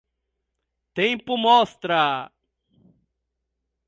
Tempo mostra.